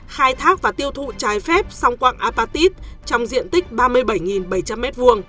khai thác và tiêu thụ trái phép song quạng apatit trong diện tích ba mươi bảy bảy trăm linh m hai